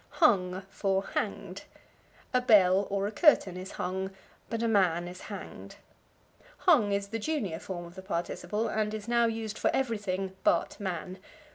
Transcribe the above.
Hung for Hanged. A bell, or a curtain, is hung, but a man is hanged. Hung is the junior form of the participle, and is now used for everything but man.